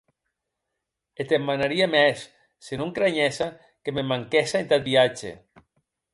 E te’n manaria mès se non cranhessa que me’n manquèsse entath viatge.